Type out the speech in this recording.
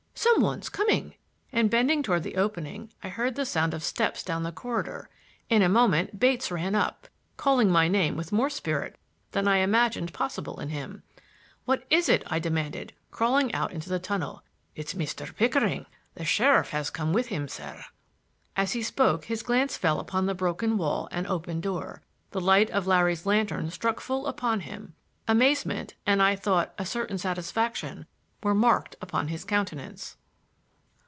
"Some one's coming," —and bending toward the opening I heard the sound of steps down the corridor. In a moment Bates ran up, calling my name with more spirit than I imagined possible in him. "What is it?" I demanded, crawling out into the tunnel. "It's Mr. Pickering. The sheriff has come with him, sir." As he spoke his glance fell upon the broken wall and open door. The light of Larry's lantern struck full upon him. Amazement, and, I thought, a certain satisfaction, were marked upon his countenance.